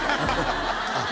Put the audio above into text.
あっ